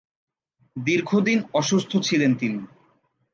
দীর্ঘদিন অসুস্থ ছিলেন তিনি।